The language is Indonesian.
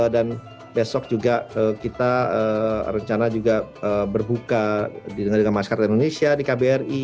dan besok juga kita rencana juga berbuka di negara negara masyarakat indonesia di kbri